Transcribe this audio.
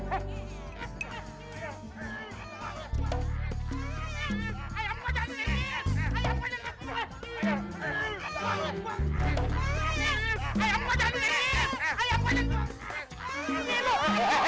orang lagi dangdutan asik asik